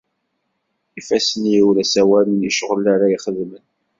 Ifassen-iw la ssawalen i ccɣel ara xedmen.